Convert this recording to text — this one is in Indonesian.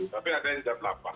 tapi ada yang jam delapan